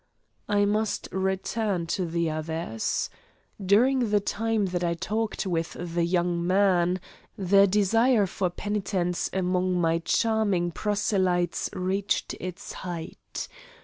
I must return to the others. During the time that I talked with the young man, the desire for penitence among my charming proselytes reached its height.